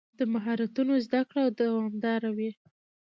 د مهارتونو زده کړه دوامداره وي.